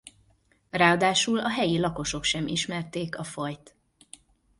Ráadásul a helyi lakosok sem ismerték a fajt.